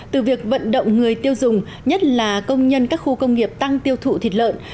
từ việc vận động người tiêu dùng nhất là công nhân các khu công nghiệp tăng tiêu thụ thịt lợn